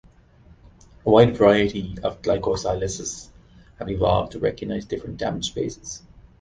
A wide variety of glycosylases have evolved to recognize different damaged bases.